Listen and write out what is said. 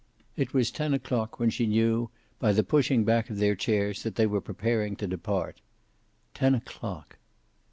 It was ten o'clock when she knew, by the pushing back of their chairs, that they were preparing to depart. Ten o'clock!